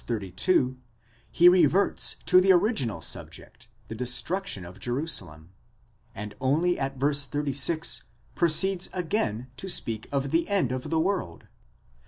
32, he reverts to the original subject, the destruction of Jerusalem ; and only at v. 36 proceeds again to speak of the end of the world.